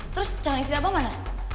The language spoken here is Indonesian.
terus canggih tidak apa mana